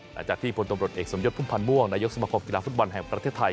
หลังจากที่พลตำรวจเอกสมยศพุ่มพันธ์ม่วงนายกสมคมกีฬาฟุตบอลแห่งประเทศไทย